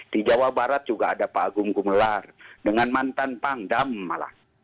di jawa barat juga ada pak agung gumelar dengan mantan pangdam malah